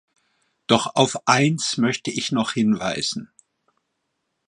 Doch auf eins möchte ich noch hinweisen.